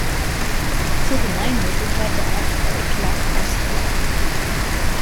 Zur Gemeinde gehört der Ortsteil Ecklak-Austrich.